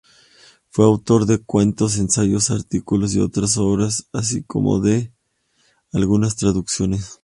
Fue autor de cuentos, ensayos, artículos y otras obras, así como de algunas traducciones.